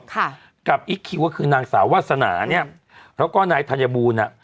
ค่ะกับอีกคิวก็คือนางสาววาสนาเนี้ยแล้วก็นายธัญบูรณอ่ะ